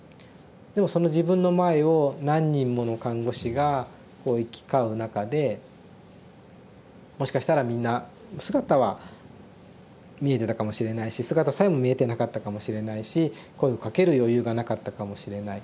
でもその自分の前を何人もの看護師がこう行き交う中でもしかしたらみんな姿は見えてたかもしれないし姿さえも見えてなかったかもしれないし声をかける余裕がなかったかもしれない。